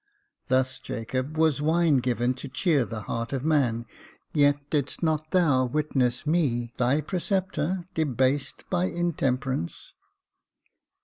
Thus, Jacob, was wine given to cheer the heart of man ; yet, didst not thou witness me, thy preceptor, debased by intemperance